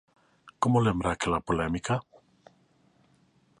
Como lembra aquela polémica?